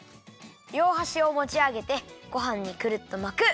りょうはしをもちあげてごはんにくるっと巻く。